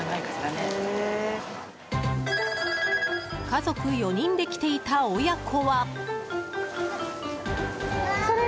家族４人で来ていた親子は。